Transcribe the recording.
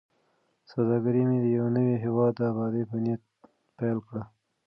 سوداګري مې د یوه نوي هیواد د ابادۍ په نیت پیل کړه.